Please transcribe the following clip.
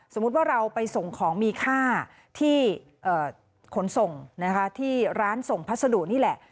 สมมุติว่าเราไปส่งของมีค่าที่ขนส่งนะคะที่ร้านส่งพัสดุนี่แหละ